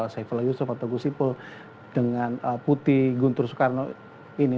saifullah yusuf atau gusipul dengan putih guntur soekarno ini